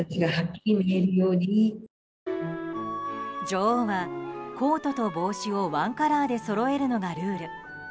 女王はコートと帽子をワンカラーでそろえるのがルール。